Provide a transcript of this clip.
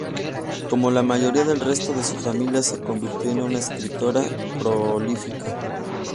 Como la mayoría del resto de su familia, se convirtió en una escritora prolífica.